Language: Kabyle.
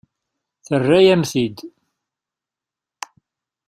Terra-yam-t-id.